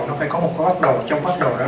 nó phải có một cái pháp đồ trong pháp đồ đó